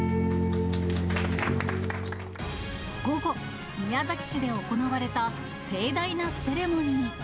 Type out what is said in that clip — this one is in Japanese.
午後、宮崎市で行われた盛大なセレモニー。